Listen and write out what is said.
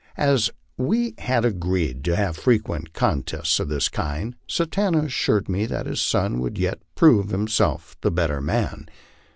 As we had agreed to have frequent contests of this kind, Satanta assured me that his son would yet prove himself the better man.